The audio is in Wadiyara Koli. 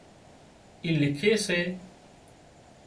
اِي لِکي سي